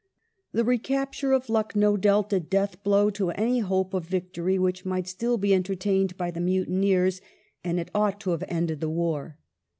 The recapture of Lucknow dealt a death blow to any hope of victory which might still be entertained by the mutineers, and it ought to have ended the war.